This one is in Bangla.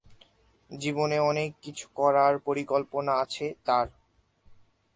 জীবনে অনেক কিছু করার পরিকল্পনা আছে তার।